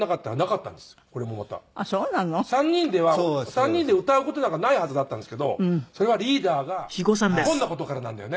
３人で歌う事なんかないはずだったんですけどそれはリーダーがひょんな事からなんだよね。